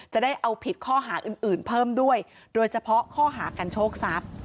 จะได้เอาผิดข้อหาอื่นเพิ่มด้วยโดยเฉพาะข้อหากันโชคทรัพย์